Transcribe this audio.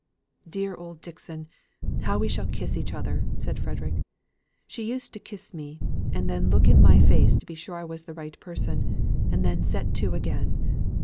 "Dear old Dixon! How we shall kiss each other!" said Frederick. "She used to kiss me, and then look in my face to be sure I was the right person, and then set to again!